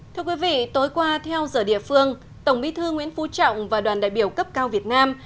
thưa quý vị tối qua theo giờ địa phương tổng bí thư nguyễn phú trọng và đoàn đại biểu cấp cao việt nam